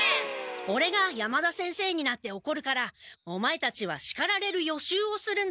オレが山田先生になっておこるからオマエたちはしかられる予習をするんだ。